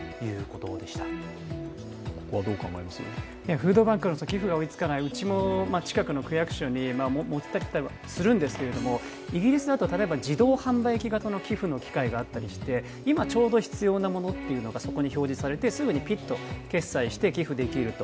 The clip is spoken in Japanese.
フードバンクの人寄付が追いつかないうちも近くの区役所に持ってったりするんですけどイギリスだと、例えば自動販売機型の寄付の機械があったりして今、ちょうど必要なものっていうのが表示されてすぐにピッと決済して寄付できると。